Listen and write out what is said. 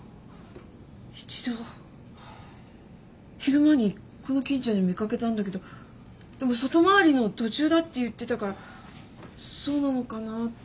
一度昼間にこの近所で見掛けたんだけどでも外回りの途中だって言ってたからそうなのかなって思って。